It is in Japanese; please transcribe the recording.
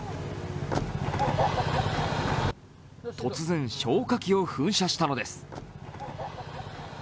突然、消火器を噴射したのです。